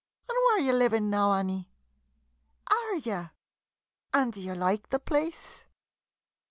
— An' where 're ye livin' now, Annie ? Are ye ? An' d' ye loike the place?